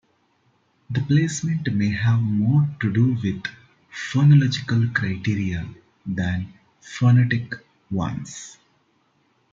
The placement may have more to do with phonological criteria than phonetic ones.